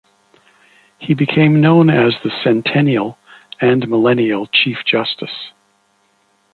He became known as the Centennial and Millennial Chief Justice.